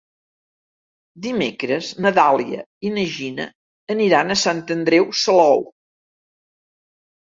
Dimecres na Dàlia i na Gina aniran a Sant Andreu Salou.